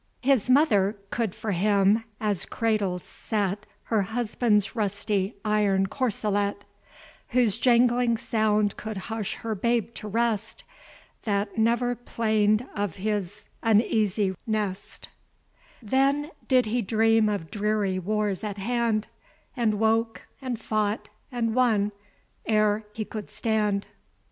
His mother could for him as cradle set Her husband's rusty iron corselet; Whose jangling sound could hush her babe to rest, That never plain'd of his uneasy nest; Then did he dream of dreary wars at hand, And woke, and fought, and won, ere he could stand.